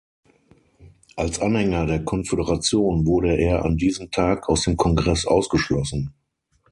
Als Anhänger der Konföderation wurde er an diesem Tag aus dem Kongress ausgeschlossen.